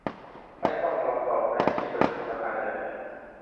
ไม่ต้องรอตอบในที่ประชุมสภาใหญ่